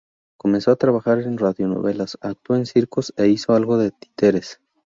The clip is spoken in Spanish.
Comenzó a trabajar en radionovelas, actuó en circos e hizo algo de títeres.